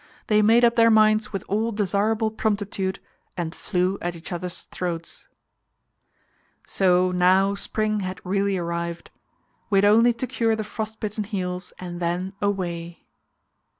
They made up their minds with all desirable promptitude and flew at each other's throats. So now spring had really arrived; we had only to cure the frost bitten heels and then away.